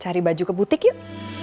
cari baju ke butik yuk